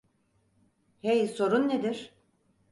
Hey, sorun nedir?